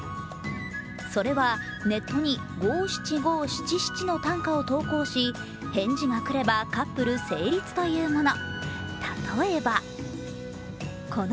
それはネットに五・七・五・七・七の短歌を投稿し返事が来ればカップル成立というもの。